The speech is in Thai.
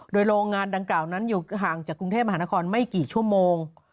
โดยโรงงานดังกล่าวนั้นอยู่ห่างจากกรุงเทพมหานครไม่กี่ชั่วโมง